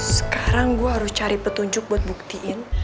sekarang gue harus cari petunjuk buat buktiin